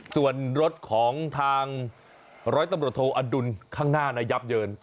ส่วนรถของทางร้อยตำรวจโทอดุลข้างหน้ายับเยิน